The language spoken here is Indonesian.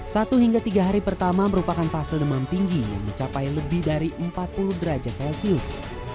satu hingga tiga hari pertama merupakan fase demam tinggi yang mencapai lebih dari empat puluh derajat celcius